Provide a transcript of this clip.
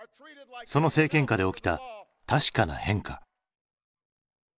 その政権下で起きた確かな変化。